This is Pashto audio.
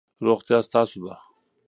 روغتیا ستاسو ده.